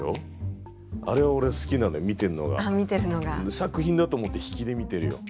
作品だと思って引きで見てるよ。